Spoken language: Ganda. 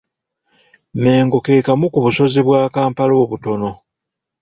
Mmengo ke kamu ku busozi bwa Kampala obutaano.